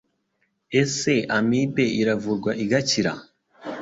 Ese Amibe iravurwa igakira?